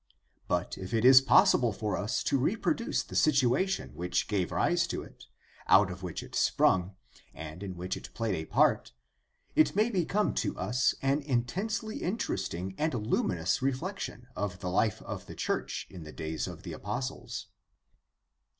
But if it is possible for us to reproduce the situation which gave rise to it, out of which it sprung, and in which it played a part, it may become to us an intensely interesting and luminous reflection of the life of the church in the days of the apostles.